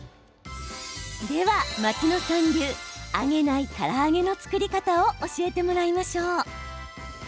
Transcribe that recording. では、牧野さん流揚げないから揚げの作り方を教えてもらいましょう。